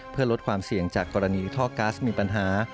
เพื่อลดความเสี่ยงจากกรณีท่อก๊าซมีปัญหา